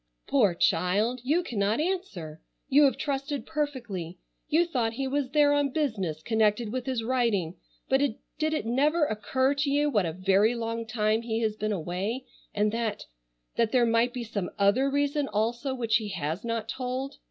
"Poor child, you cannot answer. You have trusted perfectly. You thought he was there on business connected with his writing, but did it never occur to you what a very long time he has been away and that—that there might be some other reason also which he has not told?